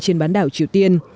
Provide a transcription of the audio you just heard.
trên bãi đảo triều tiên